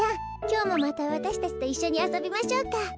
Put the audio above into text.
きょうもまたわたしたちといっしょにあそびましょうか。